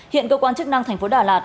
hiện cơ quan chức năng tp đà lạt